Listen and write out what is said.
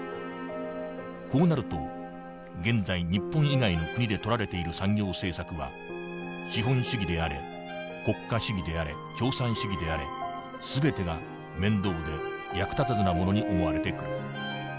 こうなると現在日本以外の国でとられている産業政策は資本主義であれ国家主義であれ共産主義であれ全てが面倒で役立たずなものに思われてくる。